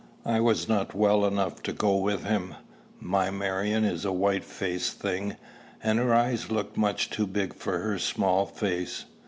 I was not well enough to go with him. My Marion is a white faced thing, and her eyes look much too big for her small face.